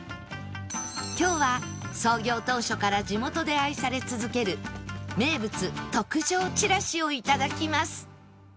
今日は創業当初から地元で愛され続ける名物特上ちらしを頂きます